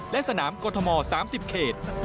และสนามกรทม๓๐เขต